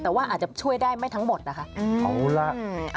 แต่ว่าหนึ่งก็ช่วยได้ไม่ทั้งหมดนะคะ